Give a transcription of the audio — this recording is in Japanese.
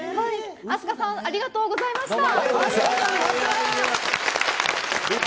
ＡＳＫＡさんありがとうございました。